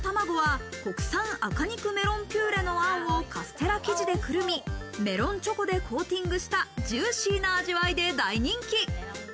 ２位のメロンたまごは、国産赤肉メロンピューレのあんをカステラ生地で包み、メロンチョコでコーティングした、ジューシーな味わいで大人気。